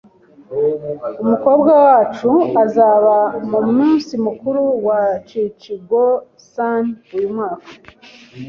Umukobwa wacu azaba mumunsi mukuru wa Shichi-Go-San uyu mwaka